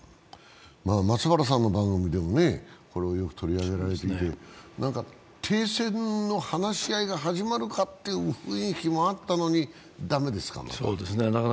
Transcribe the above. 松原さんの番組でもよく取り上げられていますが停戦の話し合いが始まるかって雰囲気もあったのに駄目ですか？